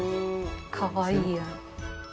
かわいい。